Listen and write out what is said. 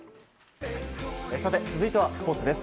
続いてはスポーツです。